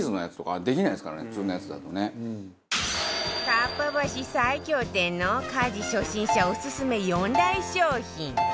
かっぱ橋最強店の家事初心者オススメ４大商品